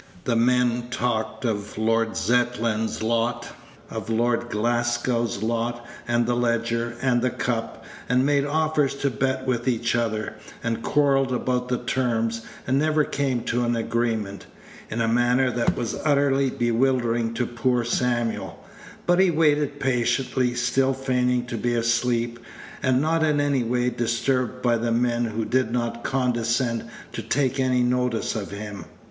The men talked of Lord Zetland's lot, of Lord Glasgow's lot, and the Leger, and the Cup, and made offers to bet with each other, and quarrelled about the terms, and never came to an agreement, in a manner that was utterly bewildering to poor Samuel; but he waited patiently, still feigning to be asleep, and not in any way disturbed by the men, who did not condescend to take any notice of him.